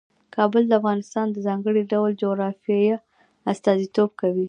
کابل د افغانستان د ځانګړي ډول جغرافیه استازیتوب کوي.